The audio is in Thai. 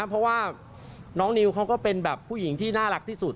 เพราะว่าน้องนิวเขาก็เป็นแบบผู้หญิงที่น่ารักที่สุด